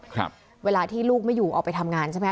ครับเวลาที่ลูกไม่อยู่ออกไปทำงานใช่ไหม